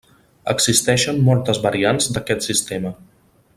Existeixen moltes variants d'aquest sistema.